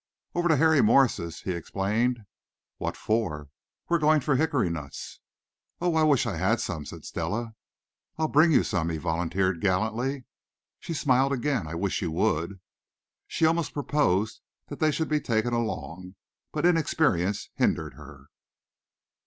"Over to Harry Morris's," he explained. "What for?" "We're going for hickory nuts." "Oh, I wish I had some," said Stella. "I'll bring you some," he volunteered gallantly. She smiled again. "I wish you would." She almost proposed that they should be taken along, but inexperience hindered her.